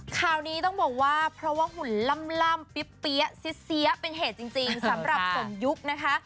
ข่าวนี้ต้องบอกว่าเพราะว่าหุ่นล่ำเปี๊ยะเสียเป็นเหตุจริงสำหรับสมยุคนะคะ